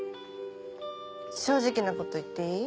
正直なこと言っていい？